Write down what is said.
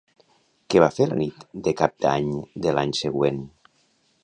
Què va fer la nit de Cap d'Any de l'any següent?